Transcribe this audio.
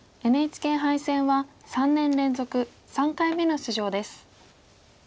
ＮＨＫ杯戦は４年連続５回目の出場です。